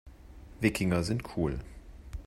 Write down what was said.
Wikinger sind cool.